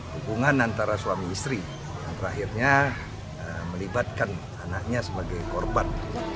hubungan antara suami istri yang terakhirnya melibatkan anaknya sebagai korban